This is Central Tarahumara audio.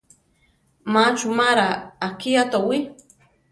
Má chumara akiá towí.